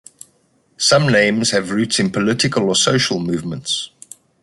Some names have roots in political or social movements.